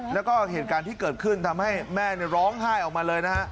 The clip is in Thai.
แล้วก็เหตุการณ์ที่เกิดขึ้นทำให้แม่ร้องไห้ออกมาเลยนะฮะ